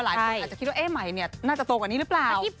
หลายคนอาจจะคิดว่าใหม่น่าจะโตกว่านี้หรือเปล่า